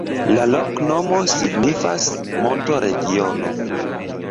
La loknomo signifas: monto-regiono.